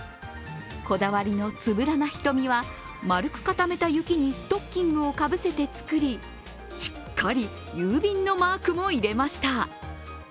こだわりのつぶらな瞳は丸く固めた雪にストッキングをかぶせて作り、しっかり郵便のマークも入れました。